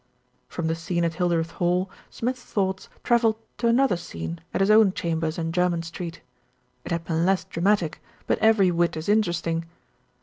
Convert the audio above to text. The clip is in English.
From the scene at Hildreth Hall, Smith's thoughts travelled to another scene at his own chambers in Jermyn Street. It had been less dramatic; but every whit as interesting.